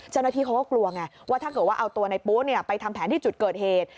เจ้าหน้าที่เขาก็กลัวไงว่าถ้าเกิดว่าเอาตัวในปุ๊ไปทำแผนที่จุดเกิดเหตุ